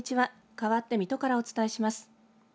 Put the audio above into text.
かわって水戸からお伝えします。